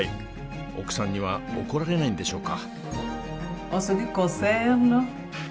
奥さんには怒られないんでしょうか？